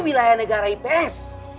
wilayah negara ips